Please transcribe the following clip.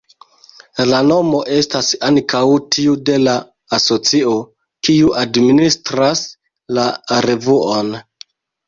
La nomo estas ankaŭ tiu de la asocio, kiu administras la revuon.